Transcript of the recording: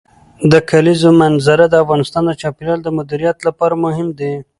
د کلیزو منظره د افغانستان د چاپیریال د مدیریت لپاره مهم دي.